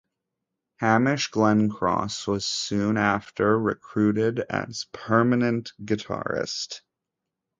Hamish Glencross was soon after recruited as permanent guitarist.